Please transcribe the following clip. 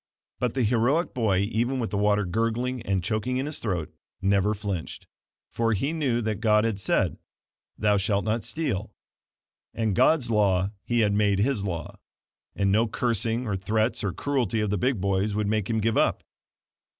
But the heroic boy even with the water gurgling and choking in his throat, never flinched, for he knew that God had said: "Thou shalt not steal," and God's law he had made his law; and no cursing, or threats, or cruelty of the big boys would make him give up.